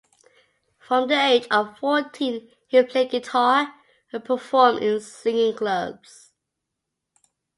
From the age of fourteen he played guitar and performed in singing clubs.